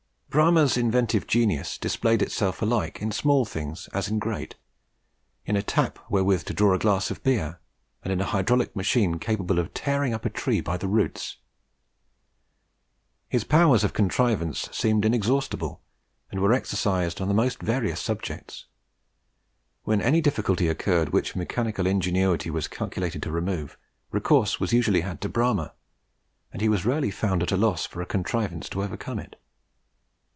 Bramah's inventive genius displayed itself alike in small things as in great in a tap wherewith to draw a glass of beer, and in a hydraulic machine capable of tearing up a tree by the roots. His powers of contrivance seemed inexhaustible, and were exercised on the most various subjects. When any difficulty occurred which mechanical ingenuity was calculated to remove, recourse was usually had to Bramah, and he was rarely found at a loss for a contrivance to overcome it.